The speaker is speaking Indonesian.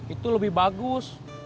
itu lebih bagus